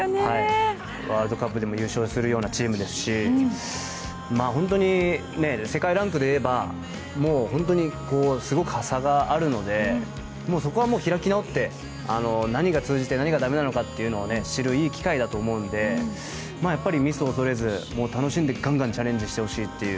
ワールドカップでも優勝するようなチームですし本当に世界ランクでいえばすごく差があるのでそこは開き直って何が通じて何がだめなのかを知るいい機会だと思うのでミスを恐れず楽しんでガンガンとチャレンジしてほしいです。